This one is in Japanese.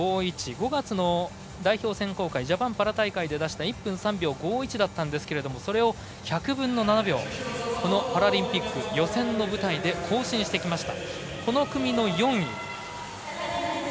５月の代表選考会ジャパンパラ大会で出した１分３秒５１だったんですがそれを１００分の７秒このパラリンピック予選の舞台で更新してきました。